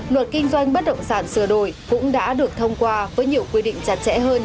luật kinh doanh bất động sản sửa đổi cũng đã được thông qua với nhiều quy định chặt chẽ hơn